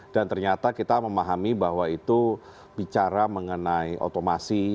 dan ternyata kita memahami bahwa itu bicara mengenai otomasi